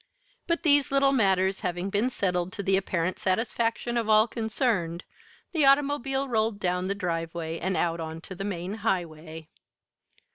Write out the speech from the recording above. But these little matters having been settled to the apparent satisfaction of all concerned, the automobile rolled down the driveway and out on to the main highway.